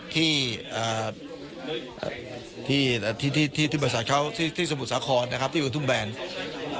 ที่สมุดสาขอร์สนะครับที่อยู่ทุ่มแบรนดร์